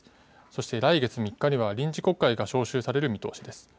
そして、来月３日には臨時国会が召集される予定です。